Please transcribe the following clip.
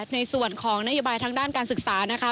ในส่วนของนโยบายทางด้านการศึกษานะคะ